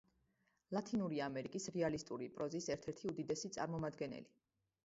ლათინური ამერიკის რეალისტური პროზის ერთ-ერთი უდიდესი წარმომადგენელი.